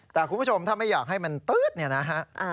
แต่คุณผู้ชมถ้าไม่อยากให้มันตื๊ดเนี่ยนะฮะ